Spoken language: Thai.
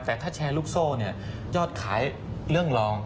แต่ถ้าแชร์ลูกโซ่เนี่ยยอดขายเรื่องรอง